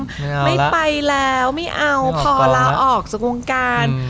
ไม่ไปแล้วไม่เอาพอลาออกจากวงการ